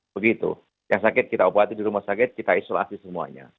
begitu yang sakit kita obati di rumah sakit kita isolasi semuanya